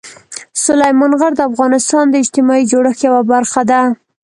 سلیمان غر د افغانستان د اجتماعي جوړښت یوه برخه ده.